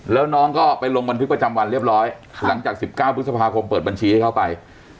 แล้วน้องก็ไปลงบันทึกประจำวันเรียบร้อยหลังจาก๑๙พฤษภาคมเปิดบัญชีให้เขาไป